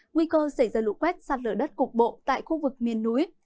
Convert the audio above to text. nguy cơ xảy ra lũ quét sạt lở đất cục bộ tại khu vực miền núi